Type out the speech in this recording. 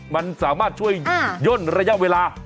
มันสามารถช่วยย่นระยะเวลา